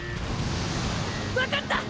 わかった！！